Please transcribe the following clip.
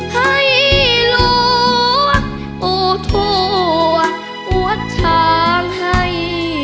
ให้รู้ทั่ววัดทางให้